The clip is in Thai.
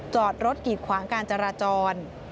จอดรถกีดขวางการจราจร